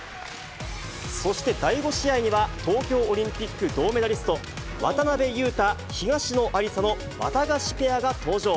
そして第５試合には、東京オリンピック銅メダリスト、渡辺勇大・東野有紗のワタガシペアが登場。